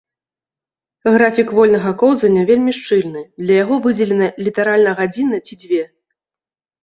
Графік вольнага коўзання вельмі шчыльны, для яго выдзелена літаральна гадзіна ці дзве.